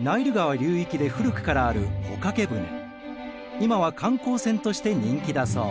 今は観光船として人気だそう。